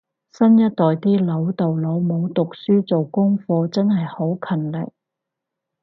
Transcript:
新一代啲老豆老母讀書做功課真係好勤力